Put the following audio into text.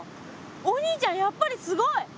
お兄ちゃんやっぱりすごい。